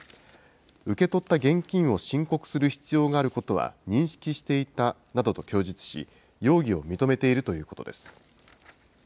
受け取った現金を申告する必要があることは認識していたなどと供述し、容疑を認めているということです。